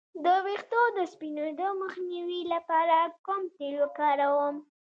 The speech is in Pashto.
د ویښتو د سپینیدو مخنیوي لپاره کوم تېل وکاروم؟